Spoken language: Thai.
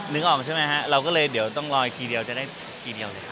นึกออกใช่ไหมฮะเราก็เลยเดี๋ยวต้องรออีกทีเดียวจะได้ทีเดียวเลย